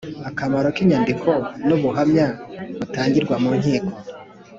Akamaro k inyandiko n ubuhamya butangirwa mu nkiko